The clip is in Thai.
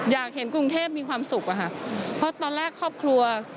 อยากเห็นกรุงเทพมีความสุขเพราะตอนแรกฮลังศีรภนเข้ามาทำงานการเมือง